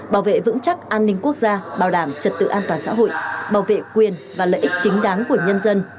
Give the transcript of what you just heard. bảo vệ vững chắc an ninh quốc gia bảo đảm trật tự an toàn xã hội bảo vệ quyền và lợi ích chính đáng của nhân dân